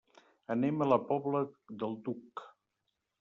Anem a la Pobla del Duc.